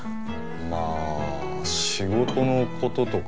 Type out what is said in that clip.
まあ仕事の事とか？